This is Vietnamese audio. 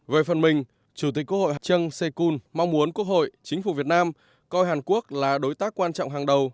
về phần mình chủ tịch quốc hội trần sê cun mong muốn quốc hội chính phủ việt nam coi hàn quốc là đối tác quan trọng hàng đầu